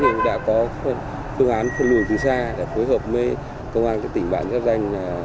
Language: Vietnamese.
chúng tôi đã có phương án phân lưu từ xa phối hợp với công an tỉnh bản giáp danh